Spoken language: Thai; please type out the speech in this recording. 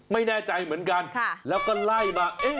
ไม่แน่ใจเหมือนกันแล้วก็ไล่มา